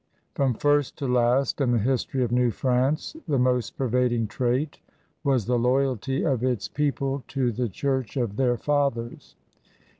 From first to last in the history of New France the most pervading trait was the loyalty of its people to the church of their fathers.